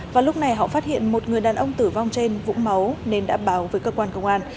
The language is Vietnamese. và lúc này họ phát hiện một người đàn ông tử vong trên vũ máu nên đã báo với cơ quan công an